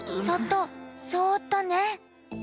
そっとそっとね。